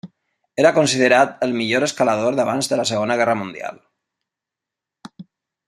Era considerat el millor escalador d'abans de la Segona Guerra Mundial.